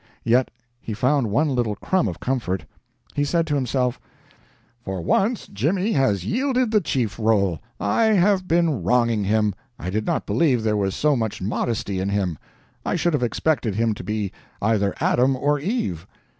Yet he found one little crumb of comfort. He said to himself, "For once Jimmy has yielded the chief role I have been wronging him, I did not believe there was so much modesty in him; I should have expected him to be either Adam or Eve."